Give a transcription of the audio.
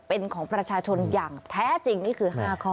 เป็นของประชาชนอย่างแท้จริงนี่คือ๕ข้อ